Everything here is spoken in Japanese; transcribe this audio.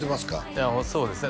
いやまあそうですね